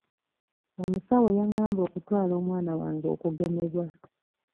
Omusawo yangamba okutwala omwana wange okugemebwa.